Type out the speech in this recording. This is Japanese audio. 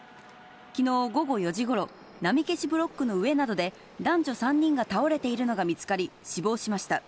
きのう午後４時ごろ、波消しブロックの上などで、男女３人が倒れているのが見つかり、死亡しました。